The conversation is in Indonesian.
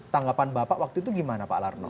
tanggapan bapak waktu itu gimana pak larno